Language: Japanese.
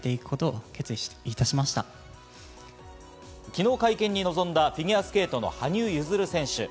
昨日、会見に臨んだフィギュアスケートの羽生結弦選手。